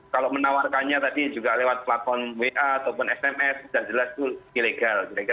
kalau menawarkannya tadi juga lewat platform wa ataupun sms sudah jelas itu ilegal